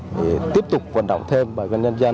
để tiếp tục vận động thêm bà con nhân dân